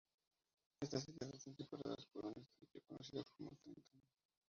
Estas islas están separadas por un estrecho conocido como The Tan.